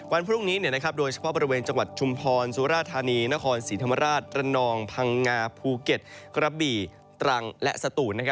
วันพรุ่งนี้โดยเฉพาะบริเวณจังหวัดชุมพรสุราธานีนครศรีธรรมราชระนองพังงาภูเก็ตกระบี่ตรังและสตูน